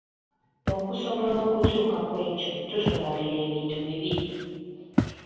Okusobola okutuuka kwekyo tutunuulira ebintu bibiri